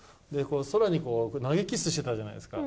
空に投げキッスしてたじゃないですか。